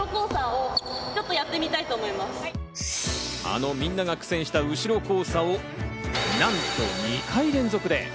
あの、みんなが苦戦した後ろ交差をなんと２回連続で！